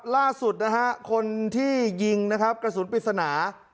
ล่าสุดนะฮะคนที่ยิงนะครับกระสุนปริศนา